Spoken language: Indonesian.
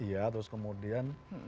iya terus kemudian